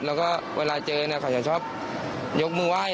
แล้วก็เวลาเจอเขาจะชอบยกมือไหว้